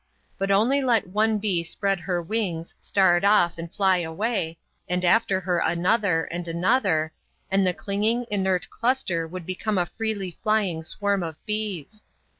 But only let one bee spread her wings, start off, and fly away, and after her another, and another, and the clinging, inert cluster would become a freely flying swarm of bees.